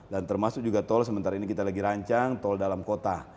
dan termasuk juga tol sementara ini kita lagi rancang tol dalam kota